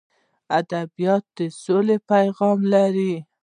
ادبیات د سولې پیغام لري.